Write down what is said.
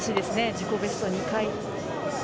自己ベスト２回。